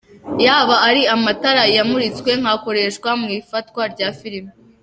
Yaba ari amatara yamuritswe nkakoreshwa mu ifatwa rya Filime?.